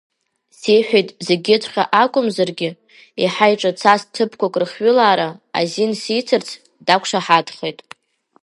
Сиҳәеит, зегьыҵәҟьа акәымзаргьы, еиҳа иҿацаз ҭыԥқәак рыхҩылаара азин сиҭарц, дақәшаҳаҭхеит.